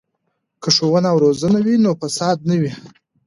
که ښوونه او روزنه وي نو فساد نه وي.